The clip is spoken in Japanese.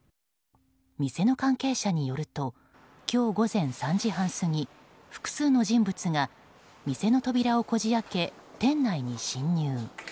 店の関係者によると今日午前３時半過ぎ複数の人物が店の扉をこじ開け、店内に侵入。